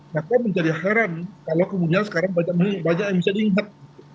maka menjadi heran kalau kemudian sekarang banyak yang bisa diingat